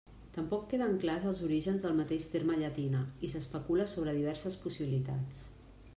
Tampoc queden clars els orígens del mateix terme llatina i s'especula sobre diverses possibilitats.